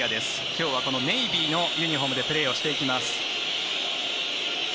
今日はこのネイビーのユニホームでプレーをしていきます。